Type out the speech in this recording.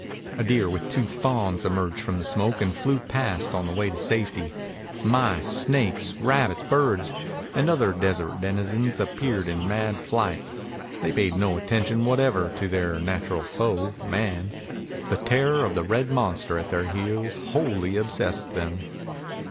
A deer with two fawns emerged from the smoke and flew past on the way to safety. Mice, snakes, rabbits, birds, and other desert denizens appeared in mad flight. They paid no attention whatever to their natural foe, man. The terror of the red monster at their heels wholly obsessed them.